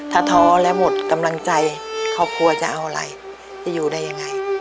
ถ้าท้อและหมดกำลังใจครอบครัวจะเอาอะไรจะอยู่ได้ยังไง